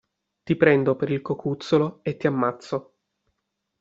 Ti prendo per il cocuzzolo e ti ammazzo.